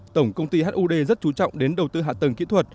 tổng công ty hud rất chú trọng đến đầu tư hạ tầng kỹ thuật